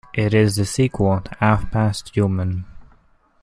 It is the sequel to "Half Past Human".